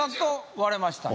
割れましたね